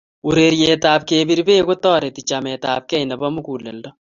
Urerietab kebir beek kotoreti chametabgeei nebo muguleldo